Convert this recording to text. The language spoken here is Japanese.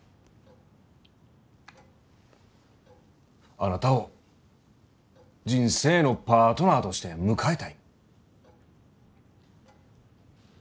あなたを人生のパートナーとして迎えたい。